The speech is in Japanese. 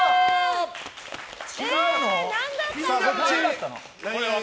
何だったの？